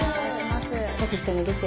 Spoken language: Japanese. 星ひとみです。